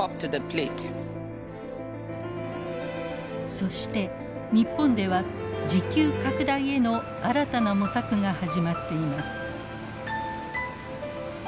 そして日本では自給拡大への新たな模索が始まっています。